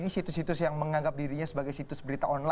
ini situs situs yang menganggap dirinya sebagai situs berita online